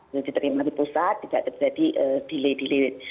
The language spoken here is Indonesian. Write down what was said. menjadi terima di pusat tidak terjadi delay delay